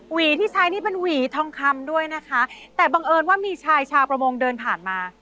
หวีที่ใช้นี่เป็นหวีทองคำด้วยนะคะแต่บังเอิญว่ามีชายชาวประมงเดินผ่านมา